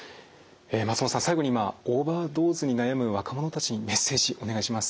松本さん最後に今オーバードーズに悩む若者たちにメッセージお願いします。